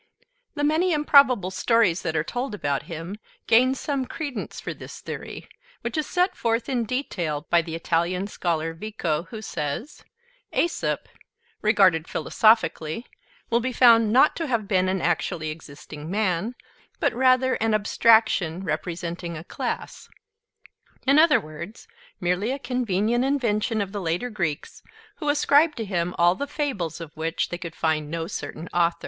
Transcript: The many improbable stories that are told about him gain some credence for this theory, which is set forth in detail by the Italian scholar Vico, who says: "Aesop, regarded philosophically, will be found not to have been an actually existing man, but rather an abstraction representing a class," in other words, merely a convenient invention of the later Greeks, who ascribed to him all the fables of which they could find no certain author.